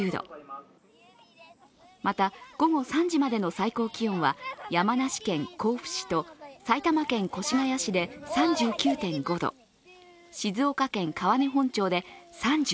また、午後３時までの最高気温は山梨県甲府市と埼玉県越谷市で３９．５度、静岡県川根本町で３９度。